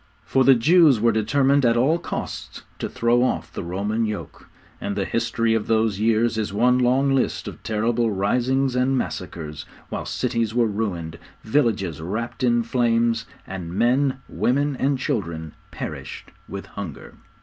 For the Jews were determined at all costs to throw off the Roman yoke, and the history of those years is one long list of terrible risings and massacres, while cities were ruined, villages wrapped in flames, and men, women and children perished with hunger.